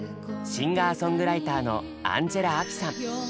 シンガーソングライターのアンジェラ・アキさん。